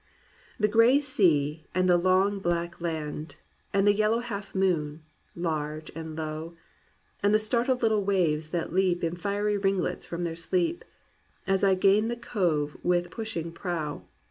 "The gray sea and the long black land; And the yellow half moon, large and low; And the startled little waves that leap In fiery ringlets from their sleep, As I gain the cove with pushing prow.